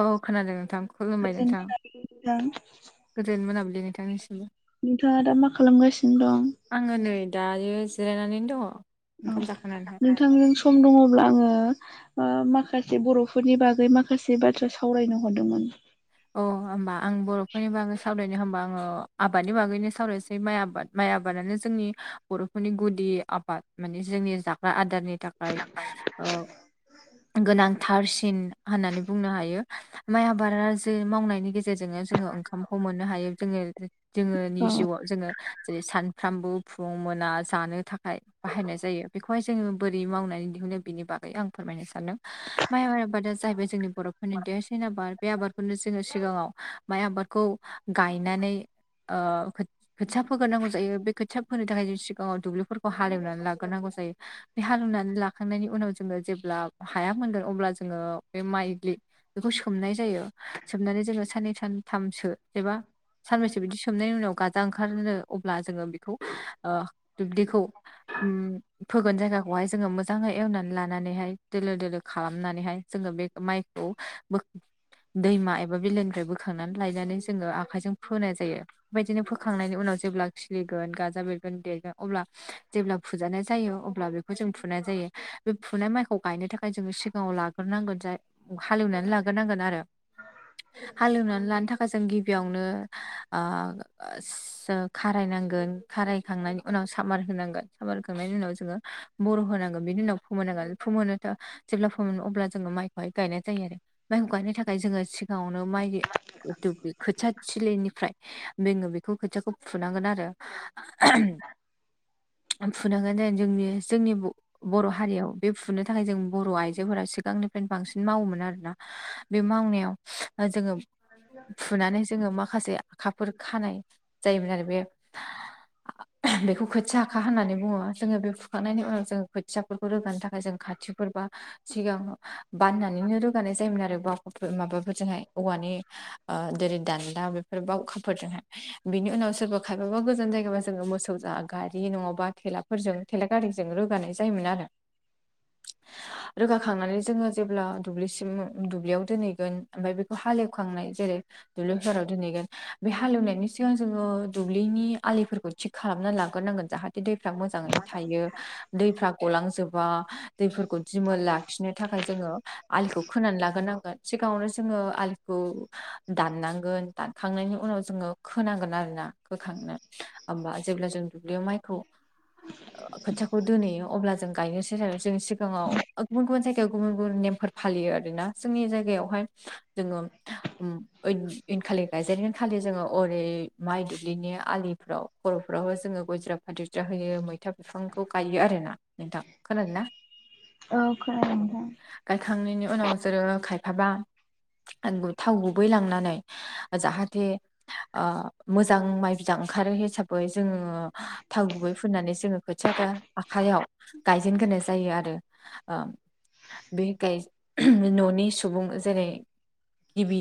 औ औ खोनादों नोंथां खुलुमबाय नोंथां गोजोनथों नोंथां गोजोन मोनाबिलि नोंथांनिसिमबो नोंथाङा दा मा खालामगासिनो दं? आङो नै दायो जिरायनानै दङो अ' नोंथांजों सम दङ'ब्ला आङो ओ माखासे बर'फोरनि बागै माखासे बाथ्रा सावरायनो हरदोंमोन। अ' होमबा आं बर'फोरनि बागै सावरायनो होमबा आङो आबादनि बागैनो सावरायनोसै माइ आबाद। माइ आबादानो जोंनि बर'फोरनि गुदि आबाद माने जोंनि जाग्रा आदारनि था खाय। ओ गोनांथारसिन होननानै बुंनो हायो माइ आबादा जे मावनायनि गेजेरजोंनो जोङो ओंखामखौ मोननो हायो जोङो जोङोनि ओ जिउआव जोङो जेरै सानफ्रामबो फुं मोना जानो थाखाय बाहायनाय जायो बेखौहाय जोङो बोरै मावनानै दिहुनो बेनि बागै आं फोरमायनो सानदों माइ आबादा जाहैबाय जोंनि बर'फोरनि देरसिन आबाद बे आबादखौनो जोङो सिगाङाव माइ आबादखौ गायनानै ओ खोथ खोथिया फोग्रोनांगौ जायो बे खोथिया फोनो थाखाय जों सिगाङाव दुब्लिफोरखौ हालेवनानै लाग्रोनांगौ जायो बे हालेवनानै लाखांनायनि उनाव जोङो जेब्ला हाया मोनगोन अब्ला जोङो बे माइलि बेखौ सोमनाय जायो। सोमनानै जोङो साननै सानथामसो एबा सान्ब्रैसो बिदि सोमनायनि उनाव गाजा ओंखारहोनो अब्ला जोङो बेखौ ओ दुब्लिखौ उम फोगोन जायगाखौहाय जोङो मो जाङै एवनानै लानानैहाय दोलो दोलो खालामनानैहाय जोङो बे माइखौ बो दैमा एबा बिलाोनिफ्राय बोखांनानै लायनानै जोङो आखाइजों फोनाय जायो। बेबायदिनो फोखांनायनि उनाव जेब्ला खिलिगोन गाजा बेरगोन देरगोन अब्ला जेब्ला फुजानाय जायो अब्ला बे बेखौ जों फुनाय जायो बे फुनाय माइखौ गायनो थाखाय जोंङो सिगाङाव लाग्रोनांगोन जाय हालेवनानै लाग्रोनांगोन आरो हालेवनानै लानो था जों गिबियावनो ओ सो खारायनांगोन। खारायखांनायनि उनाव सामार होनांगोन सामार होखांनायनि उनाव जोङो बर होनांगोन बिनि उनाव फोमोन नांगोन। फोमोनो जेब्ला फोमोनो अब्ला जोङो माइखौहाय गायनाय जायो आरो माइखौ गायनो थाखाय जोङो सि गाङावनो माइ दुब्लि खोथिया थिलिनिफ्राय बेङो बेखौ खोथियाखौ फुनांगोन आरो। [unintelligible] फुनांगोन जेन जोंनि जोंनि बर' हारियाव बे फुनो थाखाय जों बर' आइजोफोरा सिगांनिफ्रायनो बांसिन मावोमोन आरोना। बे मावनायाव जोङो फुनानै जोङो माखासे आखाफोर खानाय जायोमोन आरो बे [inaudible] बेखौ खोथिया आखा होननानै बुङो जोङो बे फुखांनायनि उनाव जों खोथियाफोरखौ रोगानो थाखाय जों खाथिफोर बा सिगां बाननानैनो रोगानाय जायोमोन आरो बाव माबाफोरजोंहाय औवानि ओ जेरै दान्दा बेफोर बावखाफोरजोंहाय। बिनि उनाव सोरबा खायफाबा गोजान जायगाबा जोङो मोसौ जा गारि नङाबा थेलाफोरजों थेला गारिजों रोगानाय जायोमोन आरो। [inaudible] रोगाखांनानै जोङो जेब्ला दुब्लिसिम दुब्लियाव दोनहैगोन ओमफाय बेखौ हालेवखांनाय जेरै दुब्लिफोराव दोनहैगोन बे हालेवनायनि सिगां जोङो दुब्लिनि आलिफोरखौ थिग खालामना लाग्रोनांगोन जाहाथे दैफ्रा मोजाङैनो थायो। दैफ्रा गलांजोबा दैफोरखौ दिमोल लाखिनो थाखाय जोङो आलिखौ खोनानै लाग्रोनांगोन। सिगाङावनो जोङो आलिखौ दाननांगोन दानखांनायनि उनाव जोङो खोनांगोन आरोना होखांनो होमबा जेब्ला जों दुब्लियाव माइखौ [inaudible] खोथियाखौ दोनहैयो अब्ला जों गायनोसै जों सिगाङाव गुबुन गुबुन जायगायाव गुबुन गुबुन नेमफोर फालियो आरोना जोंनि जाय गायावहाय जोङो उम ऐदिनखालि गायजेगोन खालि जोङो ओरै माइ दुब्लिनि आलिफ्राव खर'फ्रावबो जोङो गय जरा फाथै बुरजा होयो मैथा बिफांखौ गायो आरोना नोंथां खोनादों ना? औ खोनादों नोंथां। गायखांनायनि उनाव जोरो खायफाबा थाव गुबै लांनानै जाहाथे ओह मोजां माइ बिदां ओंखारो हिसाबै जोङो थाव गुबै फुननानै जोङो खोथिया आखाइयाव गायजेनग्रोनाय जायो आरो बे गाय [unintelligible] न'नि सुबुं जेरै गिबि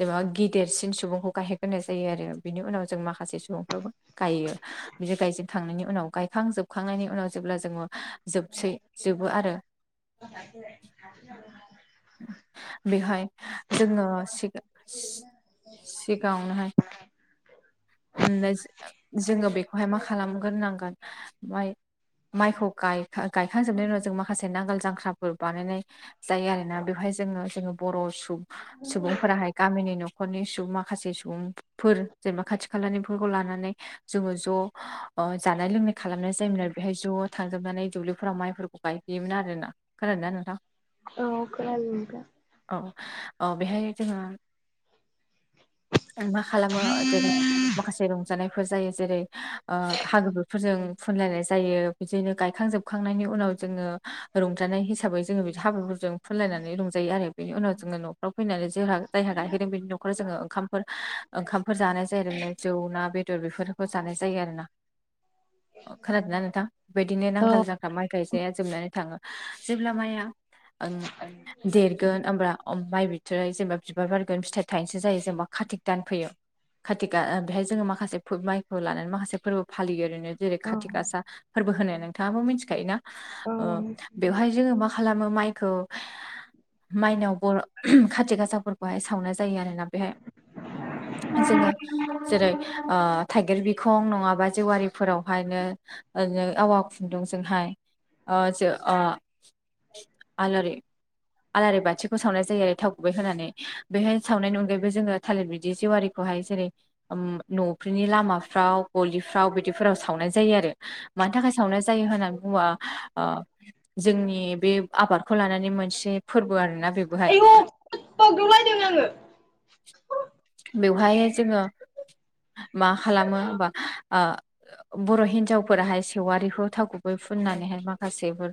जेनेबा गेदेरसिन सुबुंखौ गाहोग्रोनाय जायो आरो बिनि उनाव जों माखासे सुबुंफ्राबो गायो बिदि गायजेनखांनायनि उनाव गायखांजोबखांनायनि उनाव जेब्ला जोङो जोबसै जोबो आरो। [unintelligible] बेहाय जोङो सिगां-सिगाङावनोहाय उम जोङो बेखौहाय मा खालामगोर नांगोन ओमफ्राय माइखौ गाय गायखांजोबनायनि उनाव जों माखासे नांगोल जांख्राफोर बानायनाय जायो आरोना बेवहाय जोङो जोङो बर' सुबुं सुबुंफोराहाय गामिनि न'खरनि सुबुं माखासे सुबुं फोर जेनेबा खाथि खालानिफोरखौ लानानै जोङो ज' अ जानाय लोंनाय खालामनाय जायोमोन आरो बेहाय ज' थांजाबनानै दुब्लिफोराव माइफोरखौ गाय योमोन आरोना खोनादोंना नोंथां? अ खोनादों नोंथां। औ औ बेहाय जोङो मा खालामो जेरै माखासे रंजानायफोर जायो जेरै ओ हालौग्राफोरजों फुनलायनाय जायो बिदिनो गायखांजोबखांनायनि उनाव जोङो रंजानाय हिसाबै जोङो बिदि हाबाफोर जों फुनलायनानै रंजायो आरो बेनि उनाव जोङो न'फ्राव फैनानै जोंहा जायहा गाहैदों बेनि न'खराव जोङो ओंखामफोर ओंखामफोर जानाय जायो आरोनो जौ ना बेदर बेफोरखौ जानाय जायो आरो ना [inaudible] खोनादोंना नोंथां? बेबायदिनो औ नांगाल जांख्रा माइ गायजाया जोबनानै थाङो जेब्ला माइआ देरगोन होनब्ला माइ बिथराय जेनेबा बिबार बारगोन फिथाइ थाइनोसो जायो जेनेबा खातिक दान फैयो कातिका बेहाय जोङो माखासे फो-माइखौ लानानै माखासे फोरबो फालियो ओरैनो जेरै खाथि गासा फोरबो होननाय नोंथाङाबो मिथिखायोना बेवहाय जोङो मा खालामो माइखौ माइनाव बर' खाथि गासाफोरखौहाय सावनाय जायो आरोना बेहाय जोङो जेरै ओह थाइगिर बिखं नङाबा जेवारिफोरावहायनो ओनो आवा खुन्दुंजोंहाय ओह सो ओ आलारि आलारि बाथिखौ सावनाय जायो आरो थाव गुबै होनानै बेहाय सावनायनि अनगायैबो जोङो थालिर बिदि जेवारिखौहाय जेरै उम न'फ्रिनि लामाफ्राव गलिफ्राव बिदिफोराव सावनाय जायो आरो मानि थाखाय सावनाय जायो होननानै बुङोबा ओ जोंनि बे आबादखौ लानानै मोनसे फोरबो आरोना बेबोहाय औ बावदुलायदों आङो बेवहाय जोङो मा खालामो होमबा ओ बर' हिन्जावफोराहाय सेवारिखौ थाव गुबै फुननानैहाय माखासेफोर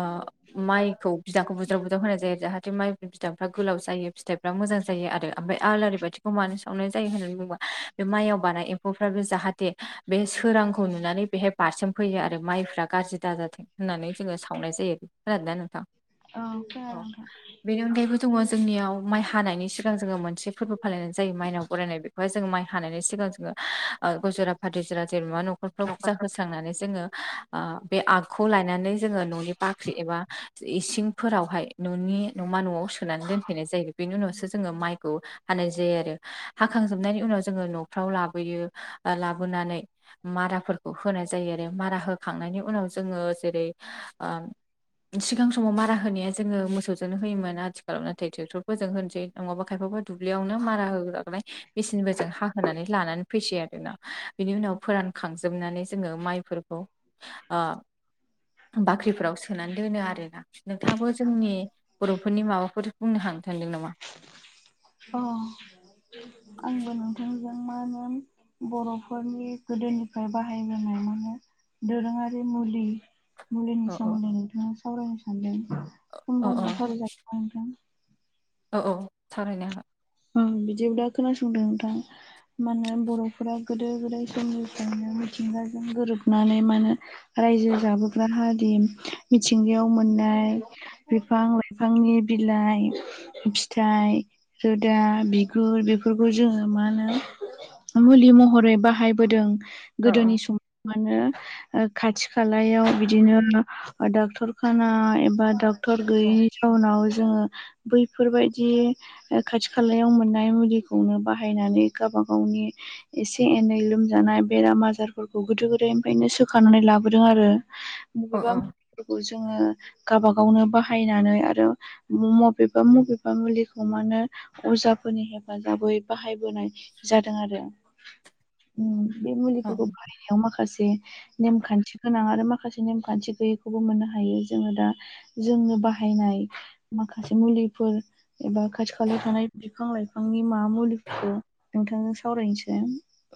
ओह माइखौ बिदांखौ बुद दाव बुदाव होनाय जायो जाहाथे माइ बिदांफ्रा गोलाव जायो फिथाइफ्रा मोजां जायो आरो अआमफ्राय आलारि बाथि खौ माजों सावनाय जायो होननानै बुङोबा बे माइआव बानाय एम्फौफ्राबो जाहाथे बे सोरांखौ नुनानै बेहाय बारसोम फैयो आरो माइफ्रा गाज्रि दाजाथों होननानै जोङो सावनाय जायो। खोनादोंना नोंथां? अ अ बेनि अनगायैबो दङ जोंनियाव माइ हानायनि सिगां जोङो मोन से फोरबो फालिनाय जायो माइनाव बरायनाय बे बेहाय जो माइ हानायनि सिगां जोङोहुजरा फाद जा जेनेबा नखरफ्राव फुा हो फखांनानै जोङो बे आगखौ लायनानै जोङो न'नि बाख्रि एबा इसिं फोरावहाय न'नि न'मा न'आव सोनानै दोनफैनाय जायो बेनि उनावसो जोङो माइखौ हानाय जायो आरो हाखांजोबनायनि उनाव जोङो न'फ्राव लाबोयो लाबोनानै माराफोरखौ होनाय जायो आरो मारा होखांनायनि उनाव जोङो जेरै सिगां समाव मारा होनाया जोङो मोसौजोंनो होयोमोन आथिखालाव नाथाय ट्रेक्टरफोरजों होनोसै नङाबा खायफाफोर दुब्लियावनो मारा होगानाय मेचिनफोरजों हाहोनानै लानानै फैसै आरोना बिनि उनाव फोरानखांजोबनानै जोङो माइफोरखौ बाख्रिफोराव सोनानै दोनो आरोोना नोंथाङाबो जोंनि बर'फोरनि माबाफोर बुंनो हानो सानदों नामा अ आंबो नोंथांजों मा होन बर'फोरनि गोदोनिफ्राय बाहायबोनाय माने दोरोङारि मुलि मुलिनि अ अ सोमोन्दै नोंथाङा सावरायनो सानदों बुं अ अ दंबथर ज नोंथां औ औ सावायनोा बिदि दा खोनासंदों नोंथांा माने बर'फोरा गोदो गोदाय समनिफ्रायनो मिथिंगाजों गोरोबनानै माने रायजो जाबोग्रा हाद मिथिंगायाव मोननाय बिफां लाइ बिफांनि बिलाइ फिथाइ सोदा बिगुर बेफोरखौ जोङो मा होनो मुलि महरै बाहायबोदों औ गोदोनि समाव मानो खाथि खालायाव बिदिनो डाक्टरखाना एबा डक्टर औ गैयैनि जाउनाव जोङो बैफोरबायदि खाथि खालायाव मोननाय मुलिखौनो बाहायनानै गावब गावनि एसे एनै लोमजानाय बेराम आजारफोरखौ गोदो गोदायनिफ्रायनो सोखनानै लाबोदों आरो औ मबेबा मुलिफोरखौ जोङो गावाब गावनो बाहायनानै आरो मबेबा मबेबा मुलिखौ मानो अजाफोरनि हेफाजाबै बाहायबोनाय जादों आरो बे औ मुलिखौखौ याव माखासे नेमखान्थि गोनां आरो माखासे नेमखान्थि गैयैखौबो मोननो हायो जोङो दा जोंनो बाहायनाय माखासे मुलिफोर एबा खाथि खा खालि थानाय बिफां लाइफांनि मा मुलिफोरखौ नोंथांजों सावरायनोसै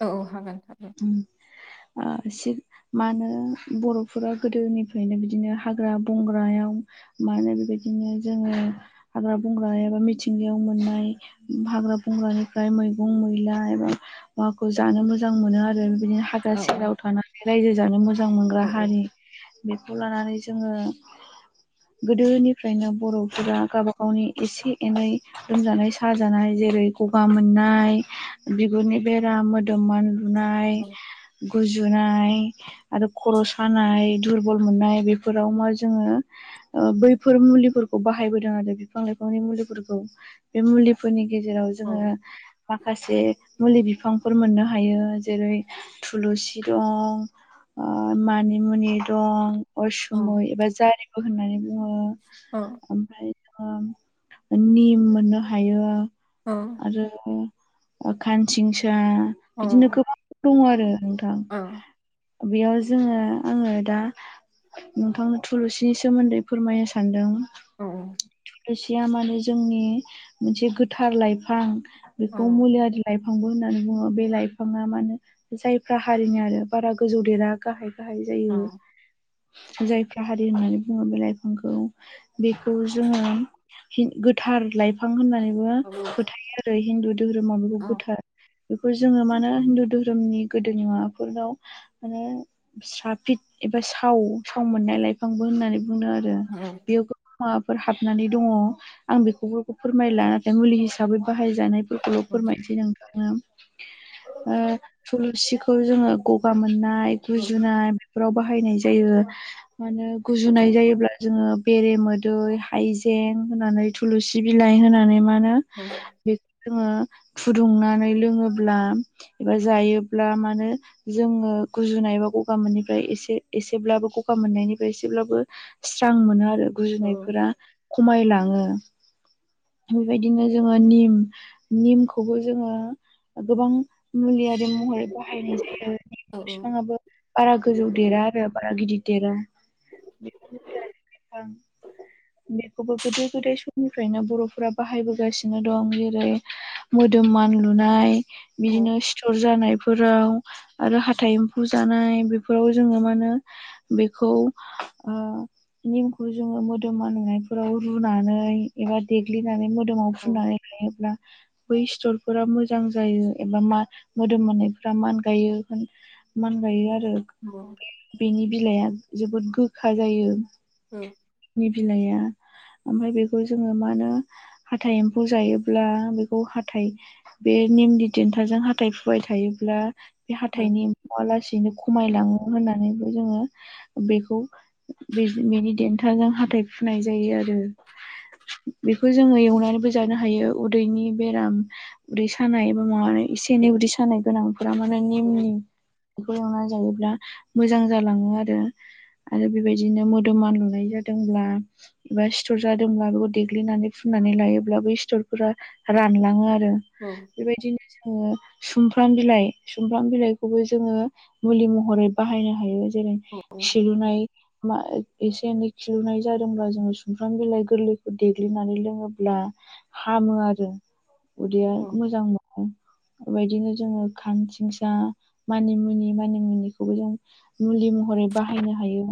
औ हागोन हागोन [unintelligible] मानो बर'फोरा गोदोनिफ्रायनो बिदिनो हाग्रा बंग्रायाव मा होनो बेबायदिनो जोङो हाग्रा बंग्रा एबा मिथि सिंगायाव मोननाय हाग्रा बंग्रानिफ्राय मैगं मैला एबा माखौ जानो मोजां मोनो आरो बिदिनो हाग्रा औ औ सेराव थानानै रायजो जानो मोजां मोनग्रा औ हारि बेखौ लानानै जोङो गोदोनिफ्रायनो बर'फोरा गावबा गावनि एसे एनै लोमजानाय साजानाय जेरै गगा मोननाय बिगुरनि बेरा मोदोमोन दुनाय गुजुनाय आरो खर' सानाय दुरबल मोननाय बेफोराव मा जोङो बैफोर मुलिफोरखौ बाहायबोदों आरो बिफां लाइफांनि मुलिफोरखौ बे मुलिफोरनि गेजेराव औ जोङो माखासे मुलि बिफांफोर मोननो हायो जेरै थुलुसि दं मानि मुनि दं अरसुमै एबा जारिमु होननानै बुङो औ ओमफ्राय ओ आनि मोननो हायो अ आरो खानसिंसा बिदिनो औ गोबां दङ आरो औ बेयाव जोङो आङो दा नोंथांनो थुलुंसिनि सोमोन्दै फोरमायनो सानदों औ औ दसेया माने जोंनि मोनसे गोथार लाइफां बेखौ मुलि लाइफांबो होननानै बुङो बे लाइफाङा मानो जायफ्रा हारिनि आरो बारा गोजौ देरा गाहाय गाहाय जायो जायफ्रा हारि होननानै बुङो बे लाइफांखौ बेखौ जोङो गोथार लाइफां होननानैबो फोथायो आरो हिन्दु धोरोमाव बेखौ गोथार बेखौ जोङो मा होन हिन्दु धोरोमनि गोदोनि माबाफोराव माने सफित एबा साव साव मोननाय लाइफांबो होननानै बुंदों आरो बेयाव माबाफोर हाबनानै दङ आं बेखौ फोरमायला नाथाय मुलि हिसाबै हाबै बाहाय जानायफोरखौल' फोरमायसै नोंथाङा थुलसिखौ खौ जोङो गगा मोननाय गुजुनाय बेफोराव बाहायनाय जायो। माने गुजुनाय जायोब्ला जोङो बेरे मोदै हायजें होननानै थुलुसि बिलाइ होनानै मा होन ह बेखौ जोङो फुदुंनानै लोङोब्ला एबा जायोब्ला मानो जोङो गुजुनायबा गगा मोननिफ्राय एसे एसेब्लाबो गगा मोननायनिफ्राय एसेब्लाबो स्रां मोनो आरो गुजुनायफोरा खमायलाङो बेबायदिनो जोङो निम निमखौबो जोङो गोबां मुलियि महरै बाहायनाय जायो बिफाङाबो बारा गोजौ देरा आरो बारा गिदिर देरा बेखौबो गोदो गोदाय समनिफ्रायनो बर' फ्रा बाहायबोगासिनो दं जेरै मोदोम मानलुनाय बिदिनो बेर जानायफोराव आरो हाथाइ एम्फौ जानाय बेफोराव जोङो मा होनो बेखौ निमखौ जोङो मोदोमा नुनायफोराव रुनानै एबा द ग्लिनानै मोदोमाव फुनानै लायोब्ला बै स्थरफोरा मोजां जायो एबा मा मोदोम मोननायफोरा मान गायो मान गायो आरो औ बेनि बिलाइआ जोबोद गोखा जायो। औ नि बिलाइया ओमफ्राय बेखौ जोङो मा होन हाथाइ एम्फौ जायोब्ला बेखौ हाथाय बे निमनि देन्थाजों हाथथाय फुबाय थायोब्ला बे हाथाइनिमुआ लासैनो खमायलाङो होननानैबो जोङो बेखौ बे बेनि देन्थाजों हाथाय फुनाय जायो आरो बेखौ जोङो एवनानैबो जानो हायो उदैनि बेराम उदै सानाय बा माबानाय एसे एनै उदै सानाय गोनांफोरा माने निम निम बेखौ एंनानै जायोब्ला मोजां जालाङो आरो आरो बेबायदिनो मोदोमान लुनाय जादोंब्ला एबा सिथर जादोंब्ला बेखौ दे ग्लिनानै फुननानै लायोब्लाबो सिथरफोरा रानलाङो आरो ओं बेबायदिनो जोङो सुमफ्राम बिलाइ सुमफ्राम बिलाइखौबो जोङो मुलि महरै बाहायनो हायो जेरै खिलुनाय मा एसे एनै खिलुनाय जादोंब्ला जोङो सुमफ्राम बिलाइ गोरलैखौ देग्लिनानै लोङोब्ला हामो आरो उदैया मोजां मोनो। बेबायदिनो जोङो खानसिंसा मानिमुनि मानिमुनिखौबो जों मुलि महरै बाहायनो हायो।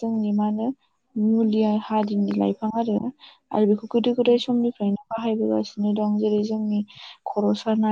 जोंनि मानो मुलिआ हारिनि लाइफां आरो। आरो बेखौ गोदो गोदाय समनिफ्रायनो बाहायबोगासिनो दं जेरै जोंनि खर' सानाय